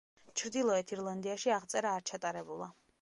ჩრდილოეთ ირლანდიაში აღწერა არ ჩატარებულა.